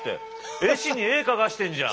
絵師に絵描かせてんじゃん！